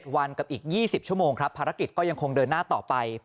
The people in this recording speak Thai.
วันกับอีก๒๐ชั่วโมงครับภารกิจก็ยังคงเดินหน้าต่อไป